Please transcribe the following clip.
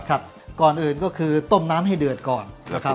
ก่อนอื่นก็คือต้มน้ำให้เดือดก่อนนะครับ